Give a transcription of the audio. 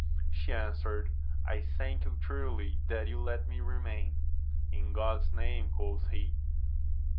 She answered, I thank you truly that you let me remain. In God's name, quoth he.